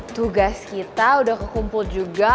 tugas kita udah kekumpul juga